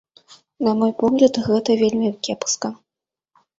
На мой погляд, гэта вельмі кепска.